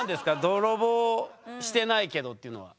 「泥棒してないけど」っていうのは。